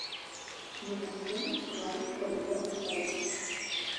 На мужчыну склалі тры пратаколы.